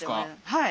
はい。